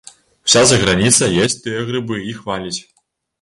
Уся заграніца есць тыя грыбы і хваліць.